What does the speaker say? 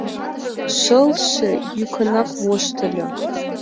— Шылше... — йӱкынак воштыльо.